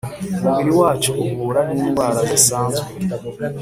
umubiri wacu uhura n’indwara zisanzwe,